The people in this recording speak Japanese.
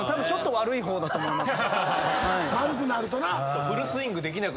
丸くなるとな。